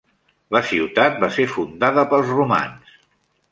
La ciutat va ser fundada pels romans.